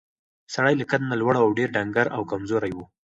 سړی له قد نه لوړ او ډېر ډنګر او کمزوری و.